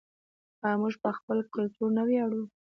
آیا موږ په خپل کلتور نه ویاړو؟